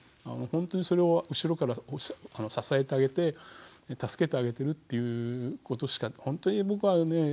本当にそれを後ろから支えてあげて助けてあげてるっていうことしか本当に僕はね